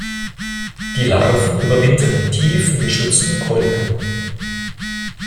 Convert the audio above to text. Die Larven überwintern in tiefen, geschützten Kolken.